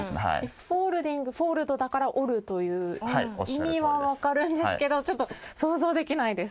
フォールディングはフォールドだから折るという意味は分かるんですけど想像できないです。